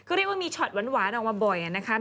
ก็เรียกว่ามีช็อตหวานออกมาบ่อยนะครับ